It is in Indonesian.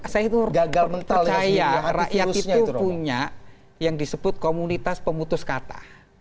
saya percaya rakyat itu punya yang disebut komunitas pemutus kata